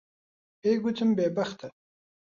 پێی گوتم بێبەختە.